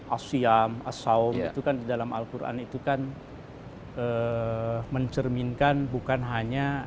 asyam asyaum itu kan di dalam al quran itu kan mencerminkan bukan hanya